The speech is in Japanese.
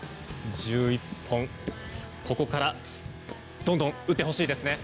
ここから、どんどん打ってほしいですね。